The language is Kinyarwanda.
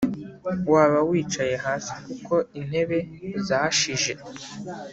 waba wicaye hasi kuko intebe zashije